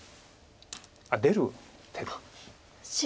あっ出る手で。